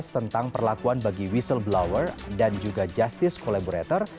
tentang perlakuan bagi whistleblower dan juga justice collaborator